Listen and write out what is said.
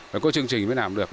phải có chương trình mới làm được